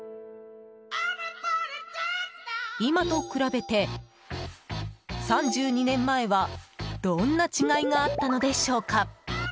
今と比べて３２年前はどんな違いがあったのでしょうか。